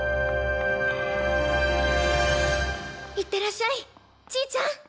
いってらっしゃいちぃちゃん！